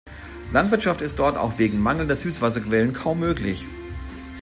Landwirtschaft ist dort auch wegen mangelnder Süßwasserquellen kaum möglich.